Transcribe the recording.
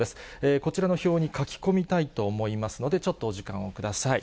こちらの表に書き込みたいと思いますので、ちょっとお時間をください。